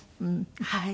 はい。